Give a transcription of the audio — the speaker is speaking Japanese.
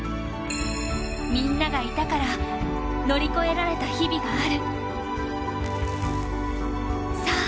みんながいたから乗り越えられた日々がある。